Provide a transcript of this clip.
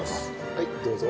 はいどうぞ。